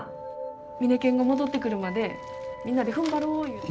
ミネケンが戻ってくるまでみんなでふんばろういうて。